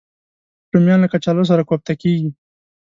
رومیان له کچالو سره کوفته کېږي